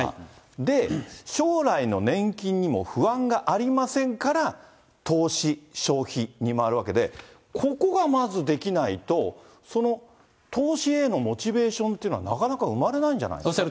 で、将来の年金にも不安がありませんから、投資・消費に回るわけで、ここがまずできないと、その投資へのモチベーションっていうのは、なかなか生まれないんじゃないですか。